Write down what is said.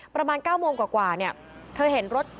ประมาณ๙โมงกว่าเนี่ย